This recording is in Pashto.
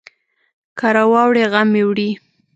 که راواړوي، غم مې وړي.